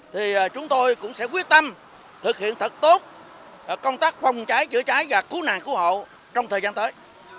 thì chúng tôi cũng sẽ quyết tâm thực hiện thật tốt công tác phòng cháy chữa cháy và cứu nạn cứu hộ trong thời gian tới